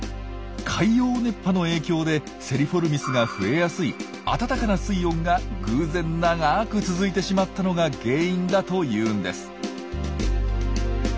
海洋熱波の影響でセリフォルミスが増えやすい温かな水温が偶然長く続いてしまったのが原因だというんです。